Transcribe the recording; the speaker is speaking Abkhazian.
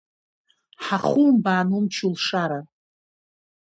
Ҳахумбаан умч-улшара!